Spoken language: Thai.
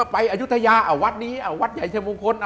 ไปอยุธยาวัดนี้วัดใหญ่เชมงคล